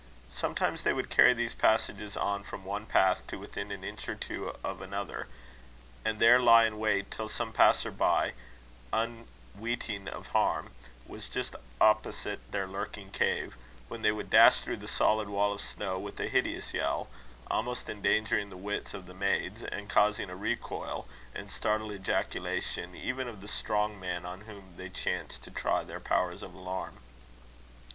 Sometimes they would carry these passages on from one path to within an inch or two of another, and there lie in wait till some passer by, unweeting of harm, was just opposite their lurking cave; when they would dash through the solid wall of snow with a hideous yell, almost endangering the wits of the maids, and causing a recoil and startled ejaculation even of the strong man on whom they chanced to try their powers of alarm.